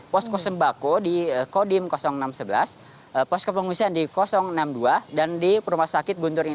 posko sembako di kodim enam ratus sebelas posko pengungsian di enam puluh dua dan di rumah sakit guntur ini